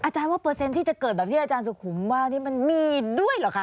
ว่าเปอร์เซ็นต์ที่จะเกิดแบบที่อาจารย์สุขุมว่านี่มันมีด้วยเหรอคะ